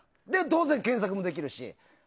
当然、検索もできるし。